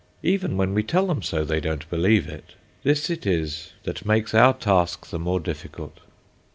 Even when we tell them so, they don't believe it. This it is that makes our task the more difficult.